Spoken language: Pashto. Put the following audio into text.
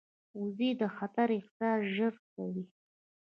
وزې د خطر احساس ژر کوي